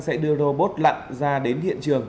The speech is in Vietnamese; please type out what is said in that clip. sẽ đưa robot lặn ra đến hiện trường